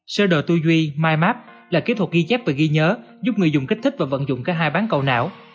sơ đồ tuy duy mymap là kỹ thuật ghi chép và ghi nhớ giúp người dùng kích thích và vận dụng cả hai bán cầu não